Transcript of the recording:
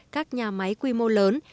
các nhà máy quy mô lớn